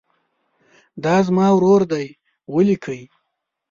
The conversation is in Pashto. دا زما ورور دی ولیکئ.